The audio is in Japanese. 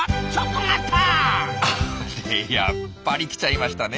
あやっぱり来ちゃいましたね